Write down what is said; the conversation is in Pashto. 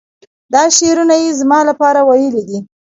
دا شعرونه یې زما لپاره ویلي دي.